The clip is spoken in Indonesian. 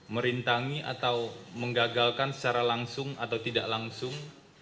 merintangi atau menggagalkan secara langsung atau tidak langsung